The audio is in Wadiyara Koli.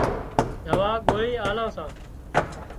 دوا ڳوۯِي آلان سان